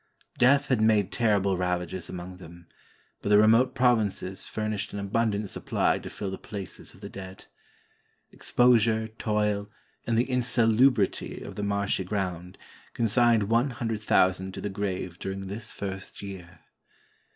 Death had made terrible ravages among them; but the remote provinces fur nished an abundant supply to fill the places of the dead. Exposure, toil, and the insalubrity of the marshy ground, consigned one hundred thousand to the grave during this first year.